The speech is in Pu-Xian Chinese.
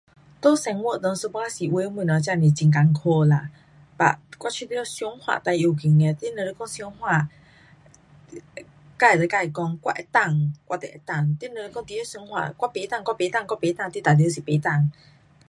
在生活里有的东西真是很困苦啦。but 我觉得想法最要紧的，你如讲想法，自跟自讲我能够，